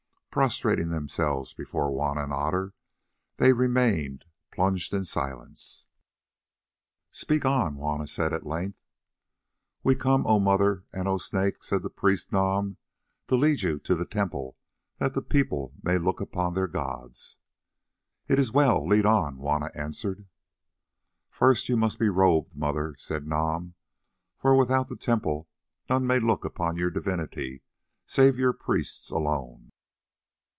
Prostrating themselves before Juanna and Otter they remained plunged in silence. "Speak on," said Juanna at length. "We come, O Mother, and O Snake," said the priest Nam, "to lead you to the temple that the people may look upon their gods." "It is well; lead on," Juanna answered. "First you must be robed, Mother," said Nam, "for without the temple none may look upon your divinity, save your priests alone."